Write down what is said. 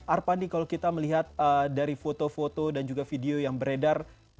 arpandi kalau kita melihat dari foto foto dan juga video yang beredar